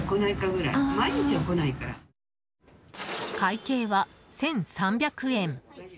会計は１３００円。